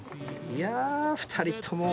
いや２人とも